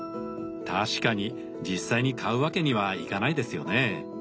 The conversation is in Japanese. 確かに実際に買うわけにはいかないですよね。